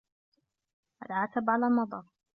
العتب على النظر